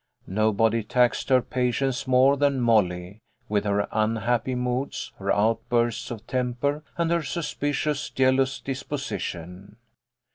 Nobody taxed her patience more than Molly, with her unhappy moods, her outbursts of temper, and her suspicious, jealous disposition.